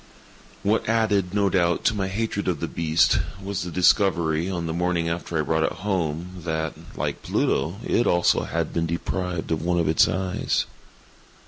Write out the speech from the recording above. What added, no doubt, to my hatred of the beast, was the discovery, on the morning after I brought it home, that, like Pluto, it also had been deprived of one of its eyes.